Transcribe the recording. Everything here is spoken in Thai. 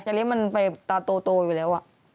แต่ยาลิสมันไปตาโตอยู่แล้วอะ